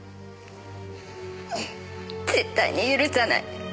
絶対に許さない。